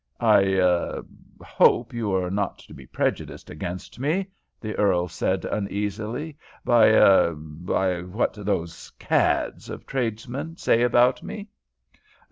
"I er I hope you are not to be prejudiced against me," the earl said, uneasily, "by er by what those cads of tradesmen say about me."